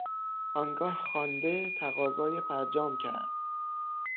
آنگاه خوانده، تقاضای فرجام کرد.